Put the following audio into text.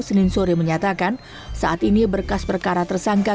senin sore menyatakan saat ini berkas perkara tersangka